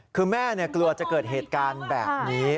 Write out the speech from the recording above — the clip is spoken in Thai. คือแม่กลัวจะเกิดเหตุการณ์แบบนี้